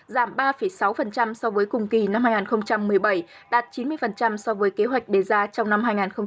giảm ba sáu so với cùng kỳ năm hai nghìn một mươi bảy đạt chín mươi so với kế hoạch đề ra trong năm hai nghìn một mươi tám